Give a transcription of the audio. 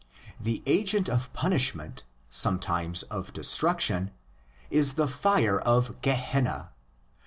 The agent of punishment—sometimes of destruction—is the fire of ''Gehenna."